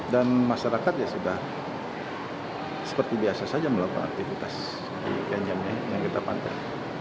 dan masyarakat ya sudah seperti biasa saja melakukan aktivitas di kenyam yang kita pantai